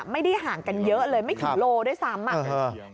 ไม่ได้ห่างกันเยอะเลยไม่ค่อยลงโลครี่ด้วย